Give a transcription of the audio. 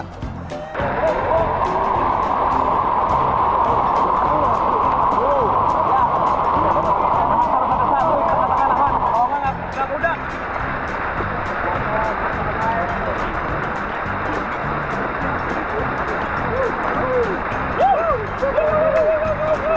kalau enggak enak